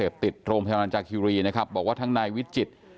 บอกว่าทางนายวิจิต